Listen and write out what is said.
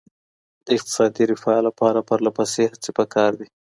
د اقتصادي رفاه لپاره پرله پسې هڅې پکار دي.